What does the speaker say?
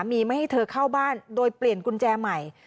มีไม่ให้เธอเข้าบ้านโดยเปลี่ยนกุญแจใหม่